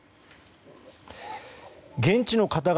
現地の方々